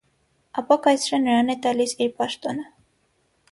Ապա կայսրը նրան է տալիս իր պաշտոնը։